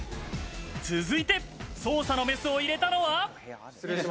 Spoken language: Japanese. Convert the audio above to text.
続いて捜査のメスを入れたのは。